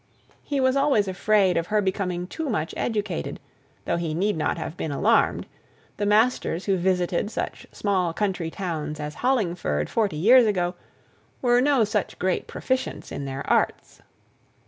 He was always afraid of her becoming too much educated, though he need not have been alarmed; the masters who visited such small country towns as Hollingford forty years ago, were no such great proficients in their arts.